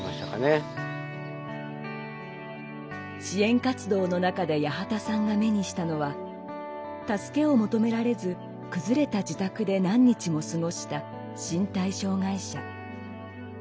支援活動の中で八幡さんが目にしたのは助けを求められず崩れた自宅で何日も過ごした身体障害者。